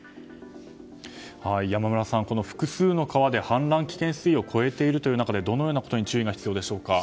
山村さん、複数の川で氾濫危険水位を超えているという中でどのようなことに注意が必要でしょうか。